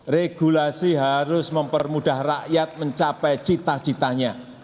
regulasi harus mempermudah rakyat mencapai cita citanya